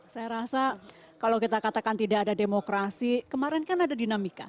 saya rasa kalau kita katakan tidak ada demokrasi kemarin kan ada dinamika